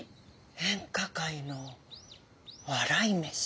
演歌界の笑い飯。